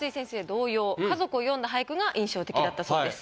同様家族を詠んだ俳句が印象的だったそうです。